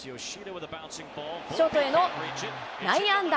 ショートへの内野安打。